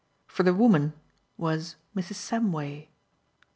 For the woman was Mrs. Samway.